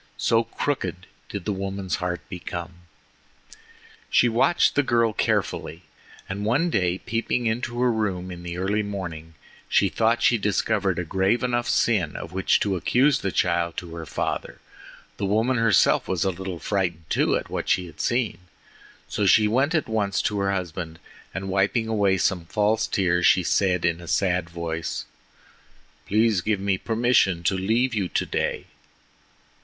So crooked did the woman's heart become. She watched the girl carefully, and one day peeping into her room in the early morning, she thought she discovered a grave enough sin of which to accuse the child to her father. The woman herself was a little frightened too at what she had seen. So she went at once to her husband, and wiping away some false tears she said in a sad voice: "Please give me permission to leave you today."